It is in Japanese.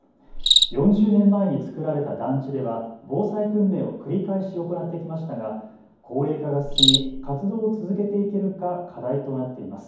４０年前に作られた団地では防災訓練を繰り返し行ってきましたが高齢化が進み、活動を続けていけるか課題となっています。